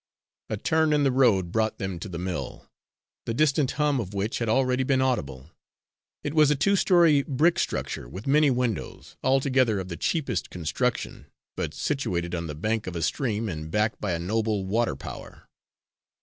A turn in the road brought them to the mill, the distant hum of which had already been audible. It was a two story brick structure with many windows, altogether of the cheapest construction, but situated on the bank of a stream and backed by a noble water power.